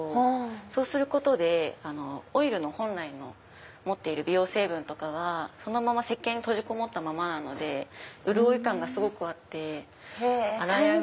そうすることでオイル本来の持っている美容成分とかがそのまませっけんに閉じこもったままなので潤い感がすごくあって。